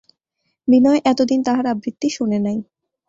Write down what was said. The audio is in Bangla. বিনয় এতদিন তাহার আবৃত্তি শোনে নাই।